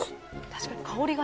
確かに。